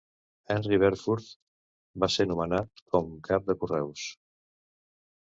Henry Verfurth va ser nomenat com cap de correus.